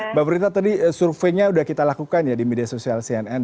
mbak prita tadi surveinya sudah kita lakukan ya di media sosial cnn